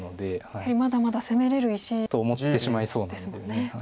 やはりまだまだ攻めれる石。と思ってしまいそうなんで。